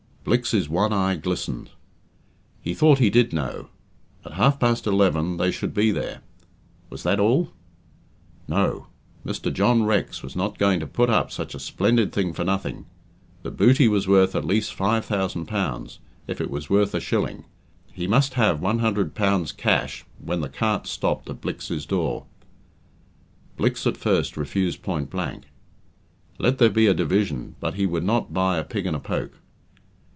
Blicks's one eye glistened. He thought he did know. At half past eleven they should be there. Was that all? No. Mr. John Rex was not going to "put up" such a splendid thing for nothing. The booty was worth at least £5,000 if it was worth a shilling he must have £100 cash when the cart stopped at Blicks's door. Blicks at first refused point blank. Let there be a division, but he would not buy a pig in a poke.